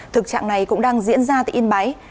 thực trạng này cũng đang diễn ra tại yên bái